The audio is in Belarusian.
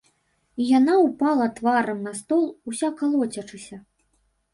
І яна ўпала тварам на стол, уся калоцячыся.